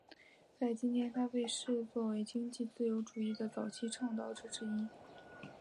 在今天他被视作经济自由主义的早期倡导者之一。